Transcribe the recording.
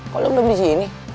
kok lo belum di sini